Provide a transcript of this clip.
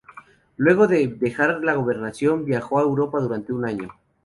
Luego de dejar la gobernación viajó a Europa durante un año.